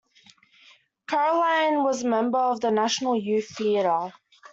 Caroline was a member of National Youth Theatre.